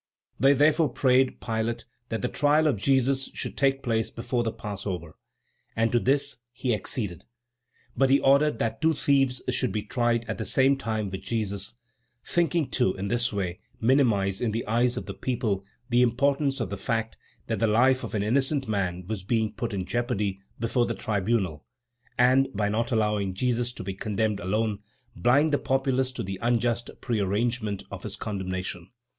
They therefore prayed Pilate that the trial of Jesus should take place before the Passover, and to this he acceded. But he ordered that two thieves should be tried at the same time with Jesus, thinking to, in this way, minimize in the eyes of the people, the importance of the fact that the life of an innocent man was being put in jeopardy before the tribunal; and, by not allowing Jesus to be condemned alone, blind the populace to the unjust prearrangement of his condemnation.